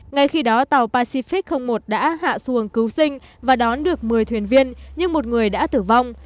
ngay khi đó tàu pacific một đã hạ xuồng cứu sinh và đón được một mươi thuyền viên nhưng một người đã tử vong